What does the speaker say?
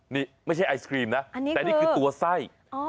นี่ไม่ใช่ไอศครีมนะแต่นี่คือตัวไส้